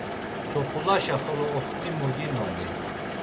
Tzopulaşa xolo oxtimu ginoni?